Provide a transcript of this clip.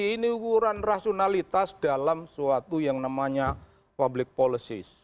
ini ukuran rasionalitas dalam suatu yang namanya public policy